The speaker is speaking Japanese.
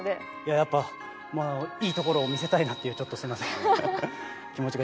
やっぱいいところを見せたいなっていうちょっとすみません気持ちが。